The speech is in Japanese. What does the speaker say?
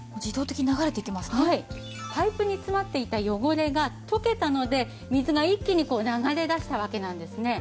はいパイプに詰まっていた汚れが溶けたので水が一気にこう流れ出したわけなんですね。